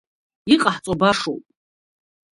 Иҟаҳҵо башоуп.